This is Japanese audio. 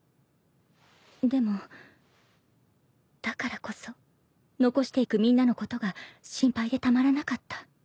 でもだからこそ残していくみんなのことが心配でたまらなかった。